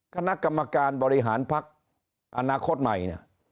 คณะกรรมการบริหารพักอนาคตใหม่เนี่ย